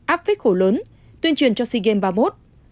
áp phích khổ lớn tuyên truyền cho sea games ba mươi một